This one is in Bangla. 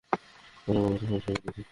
আমরা বড় একটা সমস্যায় পড়েছি।